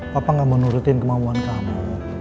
papa gak mau nurutin kemampuan kamu